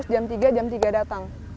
jam tiga jam tiga datang